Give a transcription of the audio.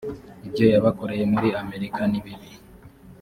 ibyo yabakoreye muri amerika nibibi